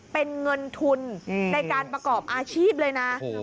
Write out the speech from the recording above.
เป็นเงินทุนในการประกอบอาชีพเลยนะ